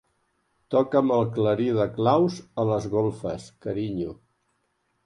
Toca'm el clarí de claus a les golfes, carinyo.